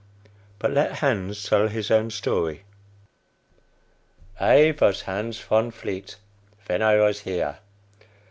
But let Hans tell his own story: "I was Hans Von Vleet ven I vas here.